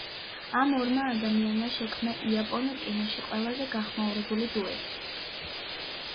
ამ ორმა ადამიანმა შექმნა იაპონურ კინოში ყველაზე გახმაურებული დუეტი.